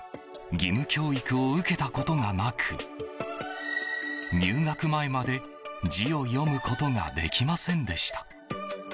義務教育を受けたことがなく入学前まで字を読むことができませんでした。